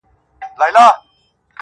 بل به څوك وي زما په شان داسي غښتلى!!